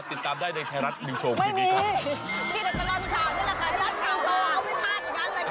ติดตามได้ในแค่รัฐผู้ชมทีนี้ครับไม่มีที่แต่ตลาดผู้ชอบนี่แหละค่ะ